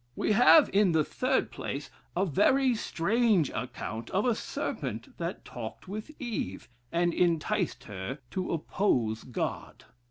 "We have, in the third place, a very strange account of a serpent that talked with Eve, and enticed her to oppose God.